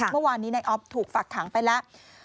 เมื่อวานนี้นายอ๊อฟถูกฝากขังไปแล้ว